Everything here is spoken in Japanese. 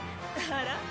あら？